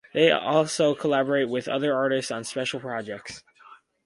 They also collaborate with other artists on special projects.